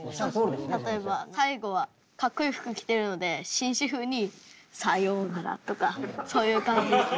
例えば最後はかっこいい服着てるので紳士風に「さようなら」とかそういう感じ。